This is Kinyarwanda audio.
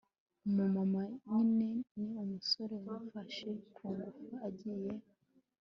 Umumama nyine ni umusore wamfashe kungufu agiye